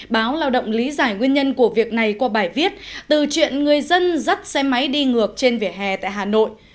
báo lao động lý giải nguyên nhân của việc này qua bài viết từ chuyện người dân dắt xe máy đi ngược trên vỉa hè tại hà nội